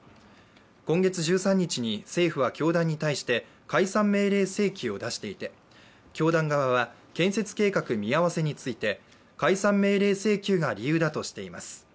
今月１３日に政府は教団に対して解散命令請求を出していて教団側は、建設計画見合わせについて解散命令請求が理由だとしています。